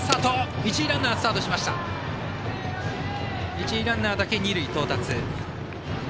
一塁ランナーだけ二塁へ到達。